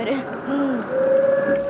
うん。